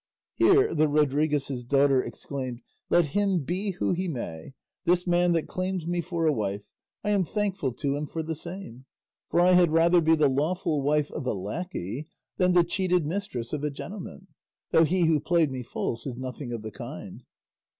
Here the Rodriguez's daughter exclaimed, "Let him be who he may, this man that claims me for a wife; I am thankful to him for the same, for I had rather be the lawful wife of a lacquey than the cheated mistress of a gentleman; though he who played me false is nothing of the kind."